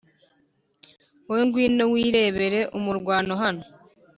Wowe ngwino wirebere umurwano hano